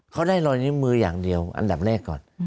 เขาได้รอยนิ้วมืออย่างเดียวอันดับแรกก่อน